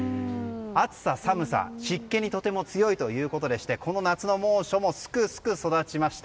暑さ、寒さ、湿気にとても強いということでこの夏の猛暑もすくすくと育ちました。